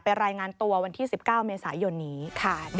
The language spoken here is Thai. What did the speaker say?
รายงานตัววันที่๑๙เมษายนนี้ค่ะ